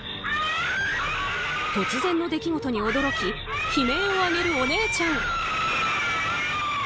突然の出来事に驚き悲鳴を上げるお姉ちゃん。